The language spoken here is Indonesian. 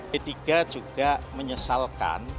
ketiga juga menyesalkan